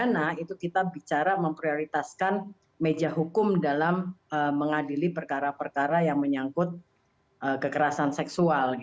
karena itu kita bicara memprioritaskan meja hukum dalam mengadili perkara perkara yang menyangkut kekerasan seksual